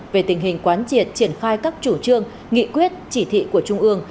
về tình hình quán triệt triển khai các chủ trương nghị quyết chỉ thị của trung ương